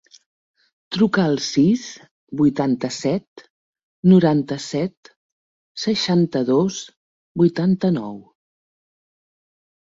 Truca al sis, vuitanta-set, noranta-set, seixanta-dos, vuitanta-nou.